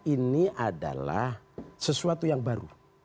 ini adalah sesuatu yang baru